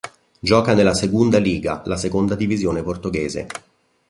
Gioca nella Segunda Liga, la seconda divisione portoghese.